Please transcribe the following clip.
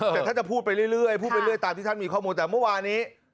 แต่ท่านจะพูดไปเรื่อยพูดไปเรื่อยตามที่ท่านมีข้อมูลแต่เมื่อวานี้